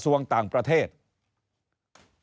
กระทรวงต่างประเทศที่มีหน้าที่เกี่ยวข้อง